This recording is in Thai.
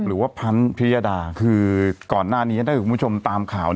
หรือว่าพันธุ์พิยดาคือก่อนหน้านี้ถ้าคุณผู้ชมตามข่าว